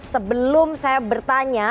sebelum saya bertanya